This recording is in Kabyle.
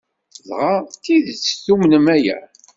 Dɣa d tidet tumnem aya?